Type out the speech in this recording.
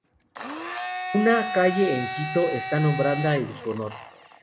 Una calle en Quito está nombrada en su honor.